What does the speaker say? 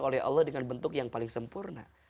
oleh allah dengan bentuk yang paling sempurna